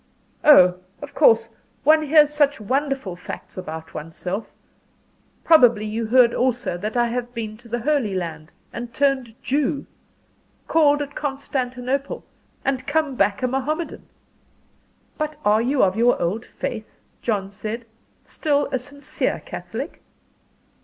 Oh, of course. One hears such wonderful facts about oneself. Probably you heard also that I have been to the Holy Land, and turned Jew called at Constantinople, and come back a Mohammedan." "But are you of your old faith?" John said. "Still a sincere Catholic?"